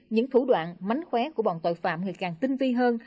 những thủ đoạn mánh khóe của bọn tội phạm ngày càng tinh vi hơn